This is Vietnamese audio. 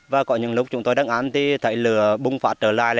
và có những lúc chúng tôi đang ăn thì thấy lửa bùng phát trở lại